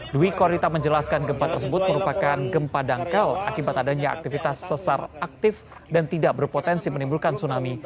dwi korita menjelaskan gempa tersebut merupakan gempa dangkal akibat adanya aktivitas sesar aktif dan tidak berpotensi menimbulkan tsunami